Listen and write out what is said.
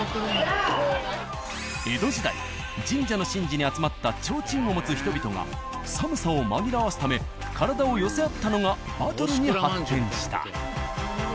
江戸時代神社の神事に集まった提灯を持つ人々が寒さを紛らわすため体を寄せ合ったのがバトルに発展した。